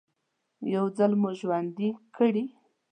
يو ځل مو ژوندي کړي.